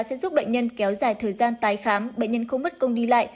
sẽ giúp bệnh nhân kéo dài thời gian tái khám bệnh nhân không mất công đi lại